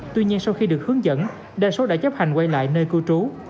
tuy nhiên sau khi được hướng dẫn đa số đã chấp hành quay lại nơi cư trú